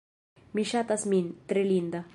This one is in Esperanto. Ŝi ŝatas min. Tre linda.